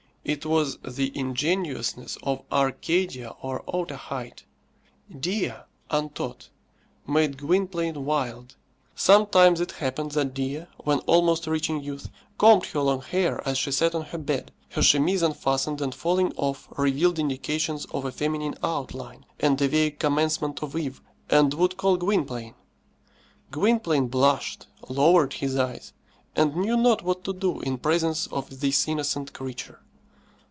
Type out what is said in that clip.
It was the ingenuousness of Arcadia or Otaheite. Dea untaught made Gwynplaine wild. Sometimes it happened that Dea, when almost reaching youth, combed her long hair as she sat on her bed her chemise unfastened and falling off revealed indications of a feminine outline, and a vague commencement of Eve and would call Gwynplaine. Gwynplaine blushed, lowered his eyes, and knew not what to do in presence of this innocent creature.